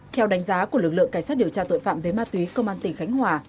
theo đánh giá của lực lượng cảnh sát điều tra tội phạm về ma túy công an tỉnh khánh hòa